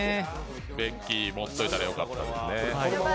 持っておいたらよかったですね。